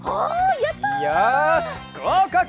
よしごうかく！